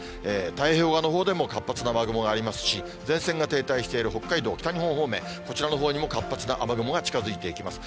太平洋側のほうでも活発な雨雲がありますし、前線が停滞している北海道、北日本方面、こちらのほうにも活発な雨雲が近づいていきます。